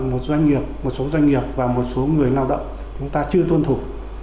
một doanh nghiệp một số doanh nghiệp và một số người lao động chúng ta chưa tuân thủ